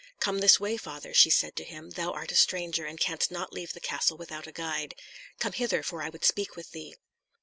"Come this way, father," she said to him; "thou art a stranger, and canst not leave the castle without a guide. Come hither, for I would speak with thee."